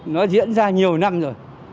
nó diễn ra nhiều năm rồi